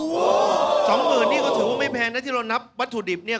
๒๐๐๐๐บาทนี่ก็ถือว่าไม่แพงแล้วที่เรานับวัตถุดิบก็